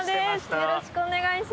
よろしくお願いします。